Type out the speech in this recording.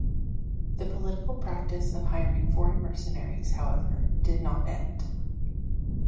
The political practice of hiring foreign mercenaries, however, did not end.